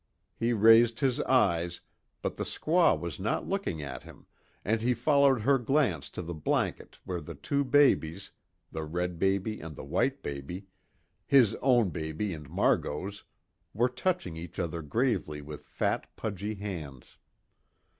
He raised his eyes, but the squaw was not looking at him and he followed her glance to the blanket where the two babies, the red baby and the white baby his own baby and Margot's, were touching each other gravely with fat pudgy hands.